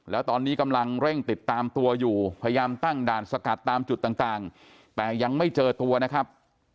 แล้วตอนนี้กำลังเร่งติดตามตัวอยู่พยายามตั้งด่านสกัดตามจุดต่างแต่ยังไม่เจอตัวนะครับ